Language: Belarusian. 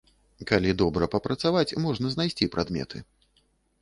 Калі добра папрацаваць, можна знайсці прадметы.